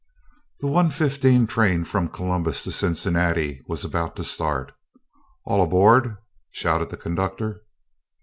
The 1:15 train from Columbus to Cincinnati was about to start. "All aboard," shouted the conductor.